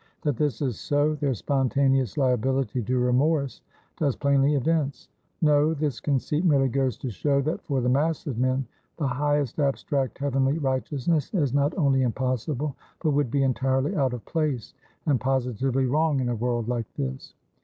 That this is so, their spontaneous liability to remorse does plainly evince. No, this conceit merely goes to show, that for the mass of men, the highest abstract heavenly righteousness is not only impossible, but would be entirely out of place, and positively wrong in a world like this.